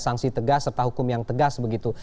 mas ade masih tegas serta hukum yang tegas begitu